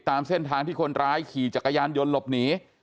ตามเส้นทางที่คนร้ายขี่จักรยานยนต์หลบหนี